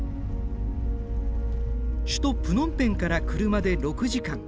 首都プノンペンから車で６時間。